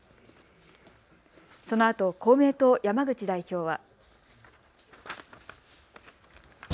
そのあと公明党、山口代表は。